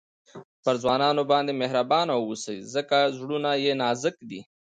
پر ځوانانو باندي مهربانه واوسئ؛ ځکه زړونه ئې نازک دي.